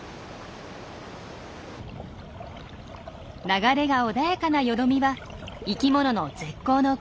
流れが穏やかなよどみは生きものの絶好の休憩所。